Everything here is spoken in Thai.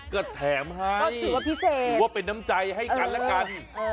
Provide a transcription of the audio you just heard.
ก็แถมให้ก็ถือว่าเป็นน้ำใจให้กันและกัน